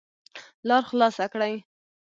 لار خلاصه کړئ